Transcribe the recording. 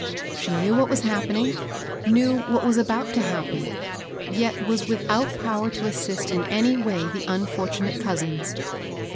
She knew what was happening, — knew what was about to happen, yet was without power to assist in any way the unfortunate cousins.